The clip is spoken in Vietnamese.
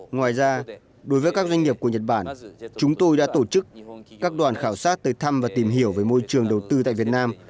ngoài ra đối với các doanh nghiệp của nhật bản chúng tôi đã tổ chức các đoàn khảo sát tới thăm và tìm hiểu về môi trường đầu tư tại việt nam